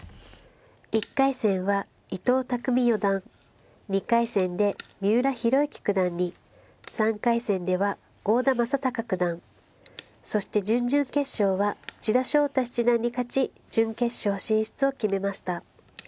１回戦は伊藤匠四段２回戦で三浦弘行九段に３回戦では郷田真隆九段そして準々決勝は千田翔太七段に勝ち準決勝進出を決めました。